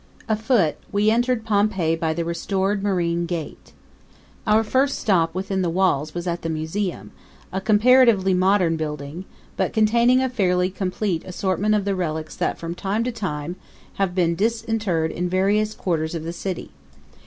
Afoot we entered Pompeii by the restored Marine Gate. Our first step within the walls was at the Museum, a comparatively modern building, but containing a fairly complete assortment of the relics that from time to time have been disinterred in various quarters of the city.